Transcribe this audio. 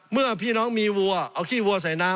เมื่อพี่น้องมีวัวเอาขี้วัวใส่น้ำ